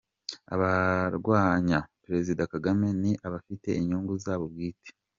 Abarwanya Perezida Kagame ni abafite inyungu zabo bwite